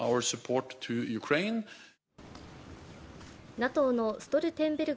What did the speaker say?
ＮＡＴＯのストルテンベルグ